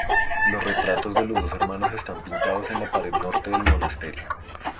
Los retratos de los dos hermanos están pintados en la pared norte del monasterio.